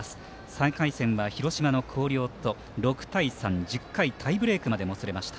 ３回戦は広島の広陵と６対３１０回タイブレークまでもつれました。